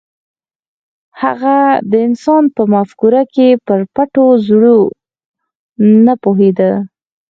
هغه د انسان په مفکورو کې پر پټو زرو نه پوهېده.